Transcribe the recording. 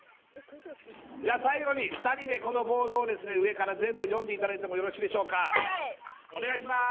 じゃあ最後に２人でこのボードをですね上から全部読んでいただいてもよろしいでしょうかはいお願いします